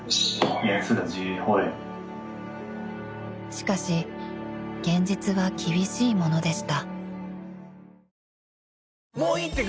［しかし現実は厳しいものでした］